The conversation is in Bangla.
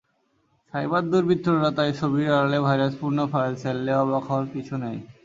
সাইবার দুর্বৃত্তরা তাই ছবির আড়ালে ভাইরাসপূর্ণ ফাইল ছাড়লে অবাক হওয়ার কিছু নেই।